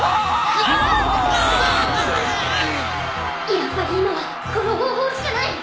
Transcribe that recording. やっぱり今はこの方法しかない。